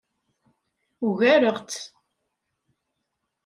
Ugareɣ-tt.